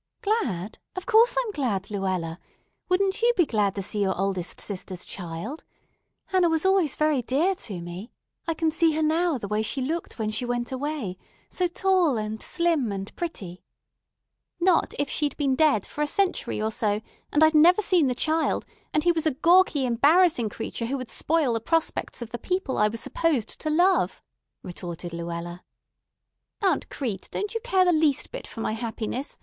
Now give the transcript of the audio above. "Glad; of course I'm glad, Luella. Wouldn't you be glad to see your oldest sister's child? Hannah was always very dear to me. I can see her now the way she looked when she went away, so tall and slim and pretty——" "Not if she'd been dead for a century or so, and I'd never seen the child, and he was a gawky, embarrassing creature who would spoil the prospects of the people I was supposed to love," retorted Luella. "Aunt Crete, don't you care the least bit for my happiness?